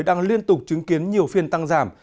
đang liên tục chứng kiến nhiều phiên tăng giảm